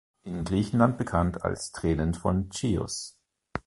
In Griechenland bekannt als "Tränen von Chios".